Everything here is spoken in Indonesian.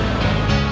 nanti aku telfon lagi